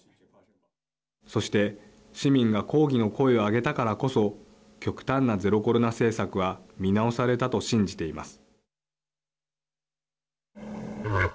そして市民が抗議の声を上げたからこそ極端なゼロコロナ政策は見直されたと信じています。